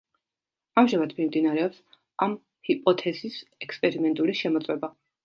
ამჟამად მიმდინარეობს ამ ჰიპოთეზის ექსპერიმენტული შემოწმება.